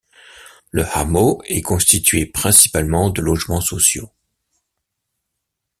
Le hameau est constitué principalement de logement sociaux.